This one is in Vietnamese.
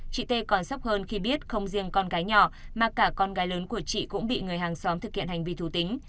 chị tê còn sốc hơn khi biết không riêng con gái nhỏ mà cả con gái lớn của chị cũng bị người hàng xóm thực hiện hành vi thủ tính